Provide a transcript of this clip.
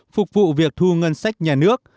phục vụ việc thu ngân sách nhà nước